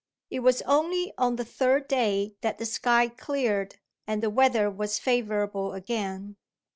It was only on the third day that the sky cleared, and the weather was favourable again.